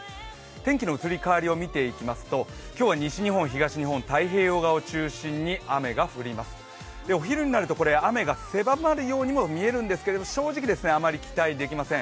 天気の移り変わりを見ていきますと今日は西日本、東日本、太平洋側を中心に雨が降ります、お昼になると雨が狭まるようにも見えるんですけど正直あまり期待できません。